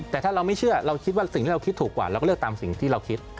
แต่ถ้าเราไม่เชื่อเราคิดว่าสิ่งที่เราคิดถูกกว่าเราก็เลือกตามสิ่งที่เราคิด